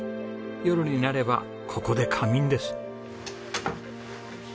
夜になればここで仮眠です。